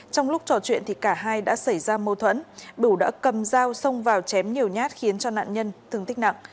trong lúc trò chuyện thì cả hai đã xảy ra mâu thuẫn bửu đã cầm dao xông vào chém nhiều nhát khiến cho nạn nhân thương tích nặng